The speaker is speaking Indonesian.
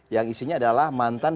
yang isinya adalah mantan